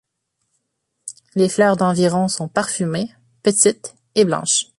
Les fleurs d’environ sont parfumées, petites et blanches.